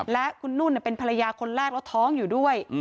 และคุณนุ่นเป็นภรรยาคนแรกแล้วท้องอยู่ด้วย